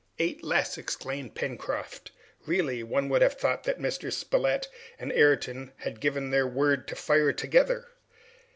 "Eight less!" exclaimed Pencroft. "Really, one would have thought that Mr. Spilett and Ayrton had given the word to fire together!"